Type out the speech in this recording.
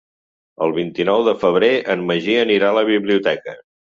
El vint-i-nou de febrer en Magí anirà a la biblioteca.